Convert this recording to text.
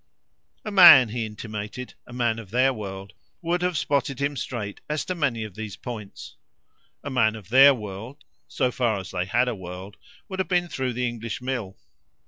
A man, he intimated, a man of their world, would have spotted him straight as to many of these points; a man of their world, so far as they had a world, would have been through the English mill.